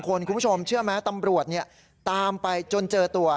คุณผู้ชมเชื่อไหมตำรวจตามไปจนเจอตัว